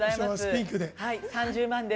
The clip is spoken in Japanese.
３０万です。